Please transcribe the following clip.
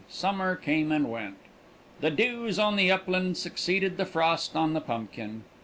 Summer came and went. The dews on the upland succeeded the frost on the pumpkin.